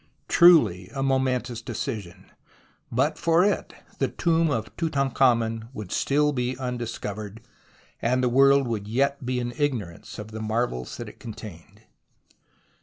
Truly a momentous decision. But for it the tomb of Tutankhamen would still be undiscovered, and the world would yet be in ignorance of the marvels that it contained.